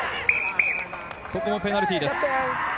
ここもペナルティーです。